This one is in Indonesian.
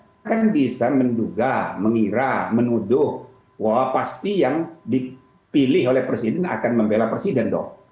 kita kan bisa menduga mengira menuduh bahwa pasti yang dipilih oleh presiden akan membela presiden dong